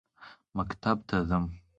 مکتب ته ځم.